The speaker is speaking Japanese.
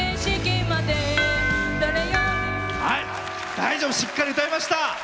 大丈夫しっかり歌えました。